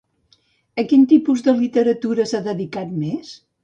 A quin tipus de literatura s'ha dedicat més?